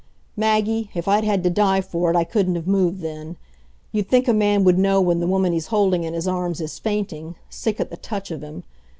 Maggie, if I'd had to die for it I couldn't have moved then. You'd think a man would know when the woman he's holding in his arms is fainting sick at the touch of him.